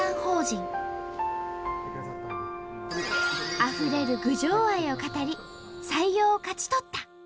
あふれる郡上愛を語り採用を勝ち取った。